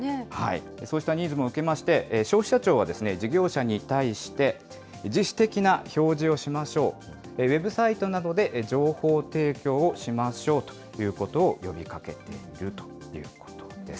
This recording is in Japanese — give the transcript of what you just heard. そうしたニーズも受けまして、消費者庁は事業者に対して、自主的な表示をしましょう、ウェブサイトなどで情報提供をしましょうということを呼びかけているということです。